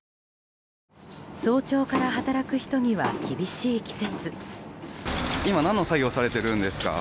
早朝から働く人には厳しい季節。